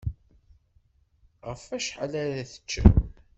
Ɣef wacḥal ara teččem?